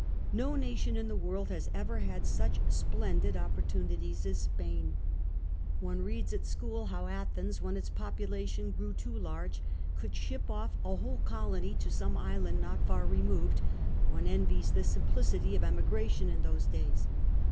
No nation in the world has ever had such splendid opportunities as Spain. One reads at school IV THE HAPPY SPAN/APD 51 how At}iens, when its populatior) gi'ow too large, could ship oil* a whole colony to some island not far removed — one envies the simplicity of emigration in those days.